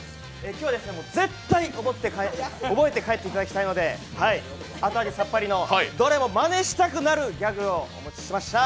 今日は絶対覚えて帰っていただきたいので後味さっぱりの、どれもまねしたくなるギャグをお持ちしました。